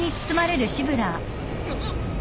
あっ。